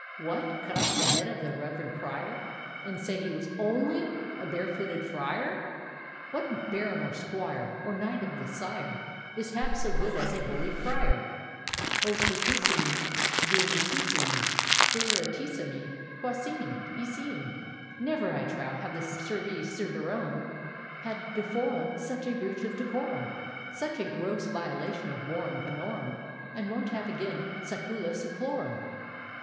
What! cut off the head of the Reverend Prior, And say he was ' onfy (!!!) a bare footed Friar! '—' What Baron or Squire, Or Knight of the shiie Is half so good as a holy Friar? ' O, turpissimel Fir nequisstmel Sceleratissime I — qu issim e !— issim e I Never, I trow, have the Servi servorum Had before 'em Such a breach of decorum, Such a gross violation of morum bonorum. And won't have again sacula s^culorum!